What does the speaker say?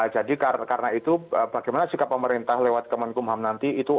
jadi karena itu bagaimana sikap pemerintah lewat kemenkumham nanti